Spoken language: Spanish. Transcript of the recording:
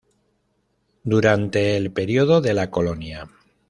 Durante el período de la colonia.